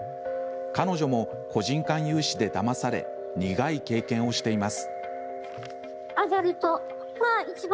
彼女も個人間融資でだまされ苦い経験をしています。